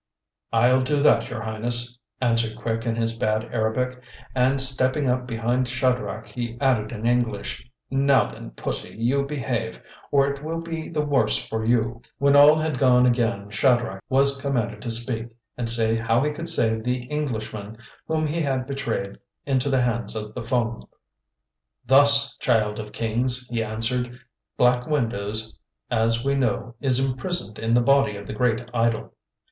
"I'll do that, your Highness," answered Quick in his bad Arabic, and stepping up behind Shadrach he added in English, "Now then, Pussy, you behave, or it will be the worse for you." When all had gone again Shadrach was commanded to speak and say how he could save the Englishman whom he had betrayed into the hands of the Fung. "Thus, Child of Kings," he answered, "Black Windows, as we know, is imprisoned in the body of the great idol."